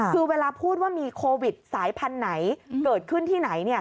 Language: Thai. คือเวลาพูดว่ามีโควิดสายพันธุ์ไหนเกิดขึ้นที่ไหน